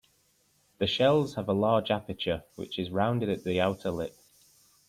The shells have a large aperture, which is rounded at the outer lip.